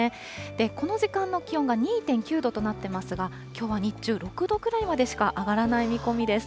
この時間の気温が２．９度となってますが、きょうは日中、６度くらいまでしか上がらない見込みです。